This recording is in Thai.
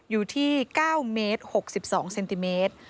อยู่ที่๙๖๒เมตร